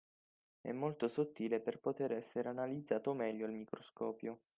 E molto sottile per poter essere analizzato meglio al microscopio